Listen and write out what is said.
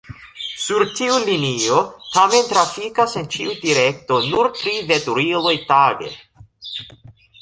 Sur tiu linio tamen trafikas en ĉiu direkto nur tri veturiloj tage.